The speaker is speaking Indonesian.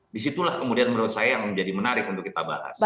disitulah kemudian menurut saya yang menjadi menarik untuk kita bahas